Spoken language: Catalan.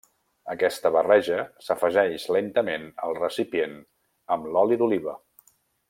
Aquesta barreja s’afegeix lentament al recipient amb l’oli d’oliva.